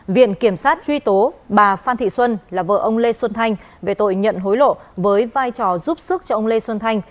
viện kiểm sát truy tố bà phan thị xuân là vợ ông lê xuân thanh về tội nhận hối lộ với vai trò giúp sức cho ông lê xuân thanh